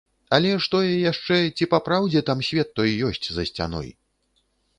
Але ж тое яшчэ, ці папраўдзе там свет той ёсць за сцяной?